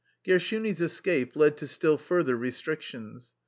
Gershuni's escape led to still further restric tions.